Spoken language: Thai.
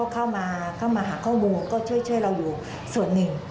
เข้ามาหาข้อมูลก็ช่วยเราอยู่ส่วนหนึ่ง